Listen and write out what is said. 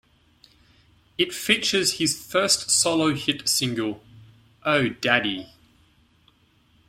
It features his first solo hit single, "Oh Daddy".